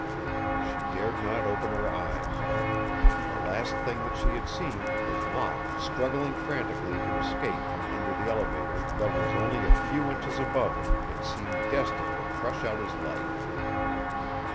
She dared not open her eyes. The last thing that she had seen was Locke struggling frantically to escape from under the elevator that was only a few inches above him and seemed destined to crush out his life.